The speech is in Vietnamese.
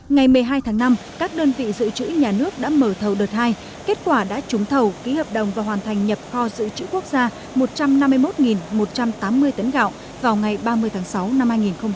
ngày một mươi hai tháng năm các đơn vị dự trữ nhà nước đã mở thầu đợt hai kết quả đã trúng thầu ký hợp đồng và hoàn thành nhập kho dự trữ quốc gia một trăm năm mươi một một trăm tám mươi tấn gạo vào ngày ba mươi tháng sáu năm hai nghìn hai mươi